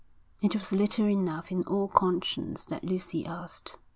It was little enough in all conscience that Lucy asked.